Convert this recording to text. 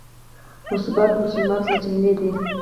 اثبات مسلمات له جملې دی.